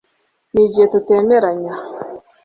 nigihe tutemeranya